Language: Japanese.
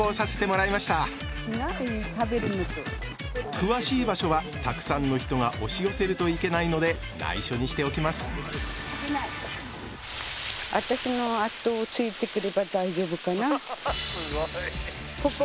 詳しい場所はたくさんの人が押し寄せるといけないのでないしょにしておきますすごい。